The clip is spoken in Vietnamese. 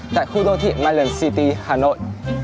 tại khu đô thị myland city hà nội